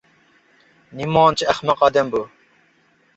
نېمانچە ئەخمەق ئادەم بۇ.